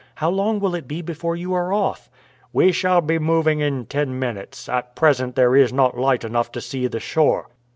"How long will it be before you are off?" "We shall be moving in ten minutes; at present there is not light enough to see the shore."